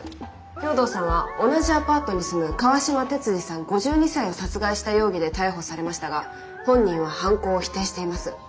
兵藤さんは同じアパートに住む川島鉄二さん５２歳を殺害した容疑で逮捕されましたが本人は犯行を否定しています。